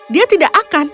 dia tidak akan